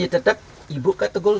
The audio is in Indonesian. saya tidak tahu apa yang terjadi